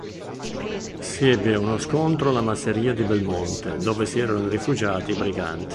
Si ebbe uno scontro alla masseria di Belmonte dove si erano rifugiati i briganti.